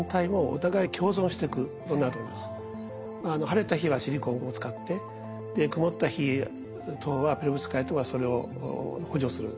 晴れた日はシリコンを使って曇った日等はペロブスカイトがそれを補助する。